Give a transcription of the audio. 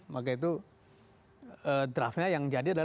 maka itu draftnya yang jadi adalah draft yang kita tunjukkan